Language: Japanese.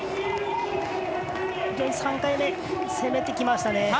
３回目、攻めてきましたね。